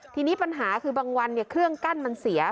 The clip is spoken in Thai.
ทีนี้ปัญหาคือบางวันเครื่องกั้นมันเสีย